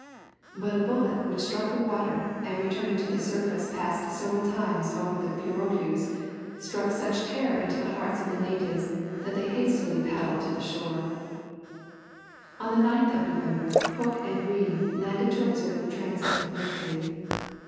But a bullet which struck the water and returning to the surface passed several times over the pirogues, struck such terror into the hearts of the natives, that they hastily paddled to the shore. On the 9th of November, Cook and Green landed to observe the transit of Mercury.